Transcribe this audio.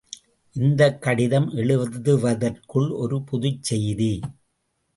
இந்தக் கடிதம் எழுதுவதற்குள் ஒரு புதுச்செய்தி!